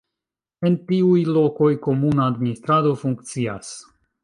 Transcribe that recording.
En tiuj lokoj komuna administrado funkcias.